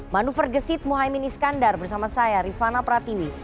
manuver gesit mohaimin iskandar bersama saya rifana pratiwi